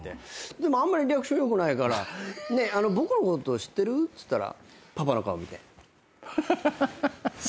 でもあまりリアクションよくないから「ねえ僕のこと知ってる？」っつったらパパの顔見て。